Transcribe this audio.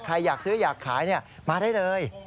ใครอยากซื้ออยากขายมาได้เลย